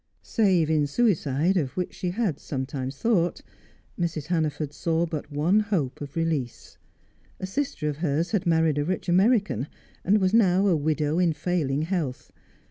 Save in suicide, of which she had sometimes thought, Mrs. Hannaford saw but one hope of release. A sister of hers had married a rich American, and was now a widow in failing health.